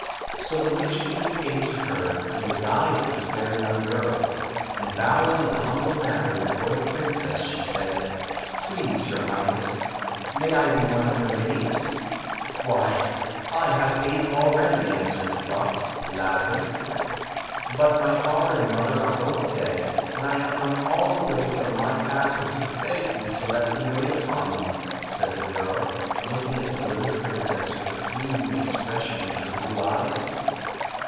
So the witch queen came to her, in the guise of the fair young girl; and bowing in a humble manner before the princess, she said: "Please, your High ness, may 1 be one of your maids?" "Why, I have eight already! answered Fluff, laughing. " But my father and mother are both dead ; and I have come all the way from my castle to beg you to let me wait upon you," said the girl, looking at the little princess with a pleading expression in her blue eyes.